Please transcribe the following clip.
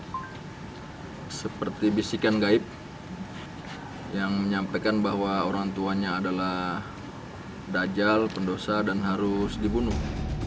saya seperti bisikan gaib yang menyampaikan bahwa orang tuanya adalah dajal pendosa dan harus dibunuh